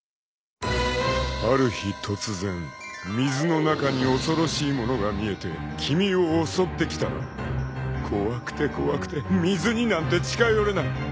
［ある日突然水の中に恐ろしいものが見えて君を襲ってきたら怖くて怖くて水になんて近寄れない］